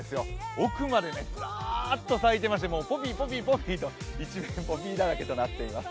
奥まで、ずらーっと咲いてましてポピー、ポピー、ポピーと一面、ポピーだらけになっています。